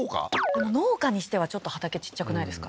これ農家にしてはちょっと畑ちっちゃくないですか？